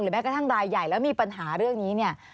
แม้กระทั่งรายใหญ่แล้วมีปัญหาเรื่องนี้เนี่ย